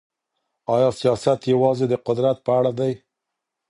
آیا سیاست یوازې د قدرت په اړه دی؟